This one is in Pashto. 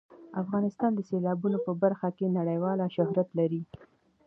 افغانستان د سیلابونه په برخه کې نړیوال شهرت لري.